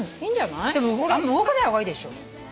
でもあんま動かない方がいいでしょ？